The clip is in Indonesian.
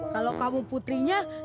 kalau kamu putrinya